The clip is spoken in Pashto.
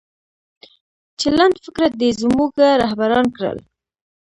چې لنډفکره دې زموږه رهبران کړل